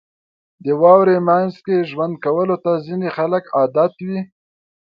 • د واورې مینځ کې ژوند کولو ته ځینې خلک عادت وي.